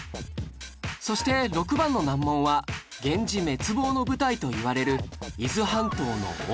そして６番の難問は源氏滅亡の舞台といわれる伊豆半島の温泉地